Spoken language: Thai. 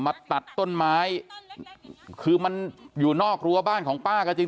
ตัดต้นไม้คือมันอยู่นอกรั้วบ้านของป้าก็จริง